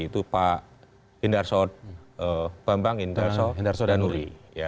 itu pak hindarsot bambang hindarsot danuri